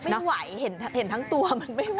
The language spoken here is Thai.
ไม่ไหวเห็นทั้งตัวมันไม่ไหว